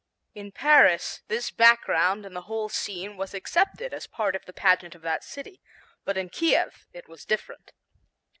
In Paris this background and the whole scene was accepted as a part of the pageant of that city, but in Kiev it was different.